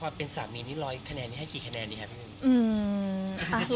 ความเป็นสามีนี่๑๐๐คะแนนให้กี่คะแนนดีคะพี่มึง